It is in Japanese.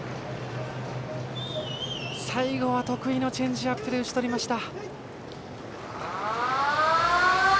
最後は得意のチェンジアップで打ち取りました。